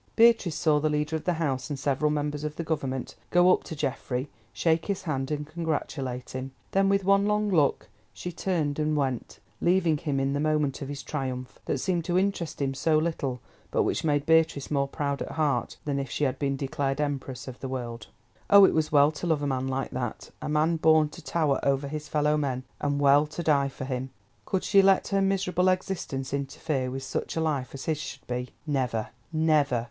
Beatrice saw the leader of the House and several members of the Government go up to Geoffrey, shake his hand, and congratulate him. Then, with one long look, she turned and went, leaving him in the moment of his triumph, that seemed to interest him so little, but which made Beatrice more proud at heart than if she had been declared empress of the world. Oh, it was well to love a man like that, a man born to tower over his fellow men—and well to die for him! Could she let her miserable existence interfere with such a life as his should be? Never, never!